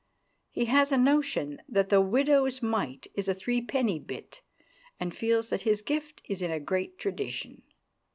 He has a notion that the widow's mite was a threepenny bit, and feels that his gift is in a great tradition.